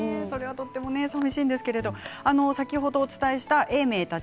とてもさみしいんですけれど先ほどお伝えした永明たち